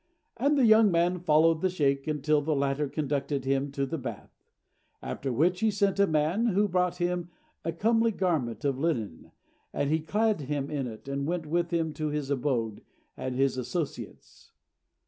And the young man followed the sheykh until the latter conducted him to the bath; after which he sent a man, who brought him a comely garment of linen, and he clad him with it, and went with him to his abode and his associates.